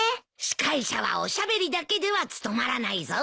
司会者はおしゃべりだけでは務まらないぞ。